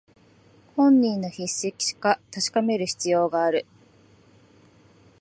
本人の筆跡か確かめる必要がある